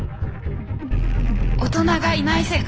大人がいない世界。